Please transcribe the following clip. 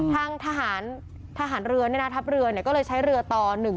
ทางทหารเรือทัพเรือก็เลยใช้เรือต่อ๑๒